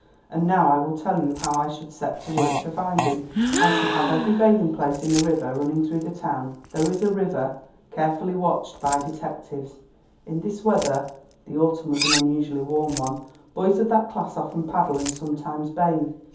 And now I will tell you how I should set to work to find him. I should have every bathing place in the river running through the town—there is a river—carefully watched by detectives. In this weather" (the autumn was an unusually warm one) "boys of that class often paddle and sometimes bathe.